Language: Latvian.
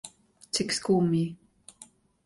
Cik skumji.